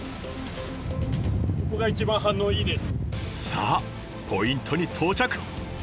さあポイントに到着。